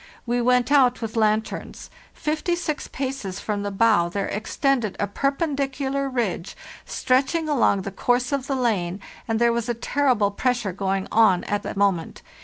We went out with lanterns. Fifty six paces from the bow there extended a perpendicular ridge stretching along the course of the lane, and there was a terrible pressure going on at the moment.